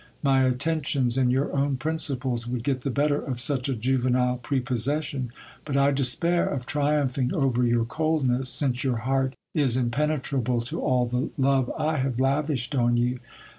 My attentions and your own principles would get the better of such a juvenile prepossession ; but I despair of triumphing over your coldness, since your heart is impenetrable to all the love I have lavished on you.